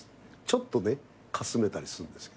ちょっとねかすめたりするんです